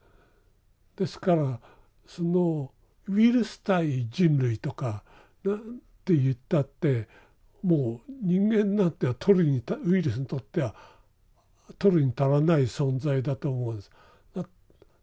ですからそのウイルス対人類とかって言ったってもう人間なんていうのはウイルスにとっては取るに足らない存在だと思うんです。